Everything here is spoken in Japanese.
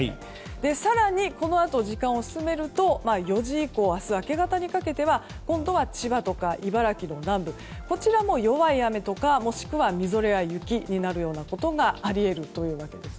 更に、このあと時間を進めると４時以降明日明け方にかけては今度は千葉とか茨城の南部こちらも弱い雨とかもしくはみぞれや雪になることがあり得るというわけです。